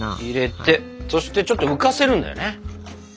入れてそしてちょっと浮かせるんだよね。